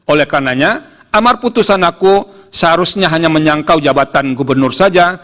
oleh karenanya amar putusan aku seharusnya hanya menyangkau jabatan gubernur saja